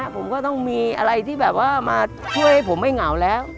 ผมก็ต้องมีอะไรที่แบบว่ามาช่วยให้ผมไม่เหงาแล้ว